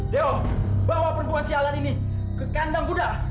dewa bawa perempuan si alan ini ke kandang budak